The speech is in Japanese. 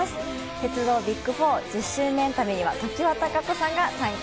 鉄道ＢＩＧ４、１０周年旅には常盤貴子さんが参加。